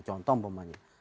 contoh pak om pahman